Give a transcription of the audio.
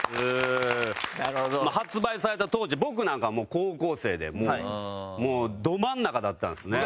まあ発売された当時僕なんかは高校生でもうど真ん中だったんですね。